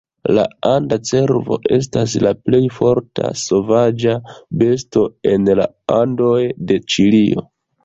La anda cervo estas la plej forta sovaĝa besto en la Andoj de Ĉilio.